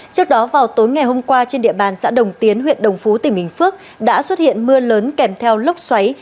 trước đó vào tối ngày hôm qua trên địa bàn xã đồng tiến huyện đồng phú tỉnh bình phước đã xuất hiện mưa lớn kèm theo lốc xoáy